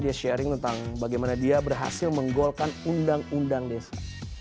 dia sharing tentang bagaimana dia berhasil menggolkan undang undang desa